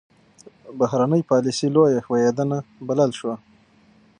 بهرنۍ پالیسي لویه ښوېېدنه بلل شوه.